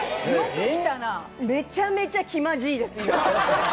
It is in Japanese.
めちゃめちゃきまじぃです、今。